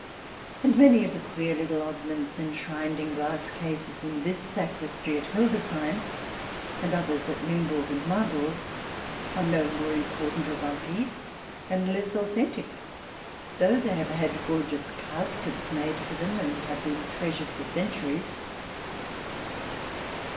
And many of the queer little oddments enshrined in glass cases in this sacristy at Hildesheim, and others at Limburg and Marburg, are no more important or bulky, and less authentic, though they have had gorgeous caskets made for them and have been treasured for centuries.